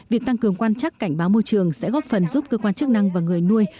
việc tăng cường quan trắc cảnh báo môi trường sẽ góp phần giúp cơ quan chức năng và người nuôi